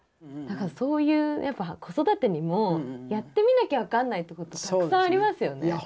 そういうやっぱ子育てにもやってみなきゃわかんないってことたくさんありますよね。